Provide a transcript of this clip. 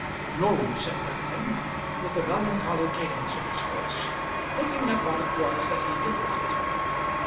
"No," said Peregrine, with a melancholy cadence in his voice, thinking of what it was that he did want.